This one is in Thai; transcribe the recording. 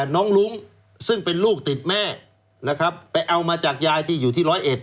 น้องรุ้งซึ่งเป็นลูกติดแม่นะครับไปเอามาจากยายที่อยู่ที่ร้อยเอ็ด